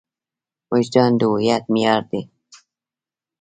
وجدان د هویت معیار دی.